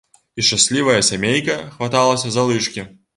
І шчаслівая сямейка хваталася за лыжкі.